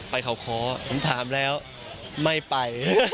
ไปเขาขอผมถามแล้วไม่ไป